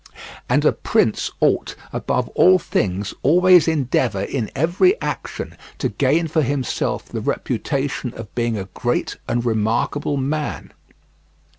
And a prince ought, above all things, always endeavour in every action to gain for himself the reputation of being a great and remarkable man.